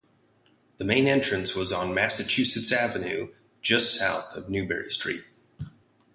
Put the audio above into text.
The main entrance was on Massachusetts Avenue just south of Newbury Street.